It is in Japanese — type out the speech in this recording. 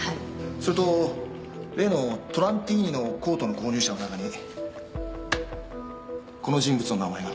それと例のトランティーニのコートの購入者の中にこの人物の名前が。